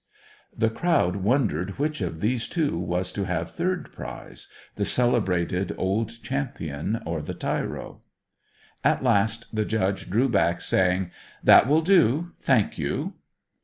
The crowd wondered which of these two was to have third prize, the celebrated old champion or the tyro. At last the Judge drew back, saying: "That will do, thank you!"